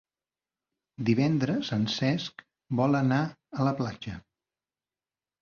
Divendres en Cesc vol anar a la platja.